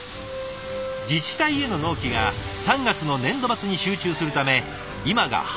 自治体への納期が３月の年度末に集中するため今が繁忙期。